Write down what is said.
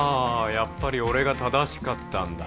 やっぱり俺が正しかったんだ